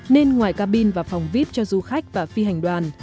nên ngoài cabin và phòng vip cho du khách và phi hành đoàn